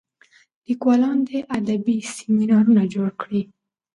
لیکوالان دي ادبي سیمینارونه جوړ کړي.